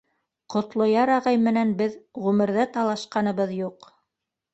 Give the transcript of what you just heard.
— Ҡотлояр ағай менән беҙ ғүмерҙә талашҡаныбыҙ юҡ.